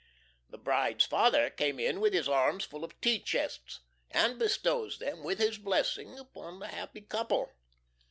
The bride's father comes in with his arms full of tea chests, and bestows them, with his blessing, upon the happy couple.